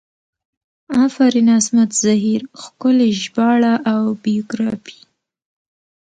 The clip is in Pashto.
افرین عصمت زهیر ښکلي ژباړه او بیوګرافي